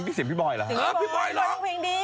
พี่สิบพี่บอยเหรอครับพี่บอยร้องพี่บอยร้องเพลงดี